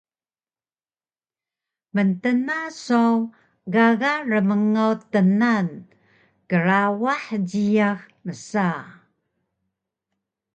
Mtna saw gaga rmngaw tnan “Krawah jiyax” msa